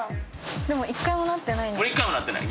でも１回もなってない？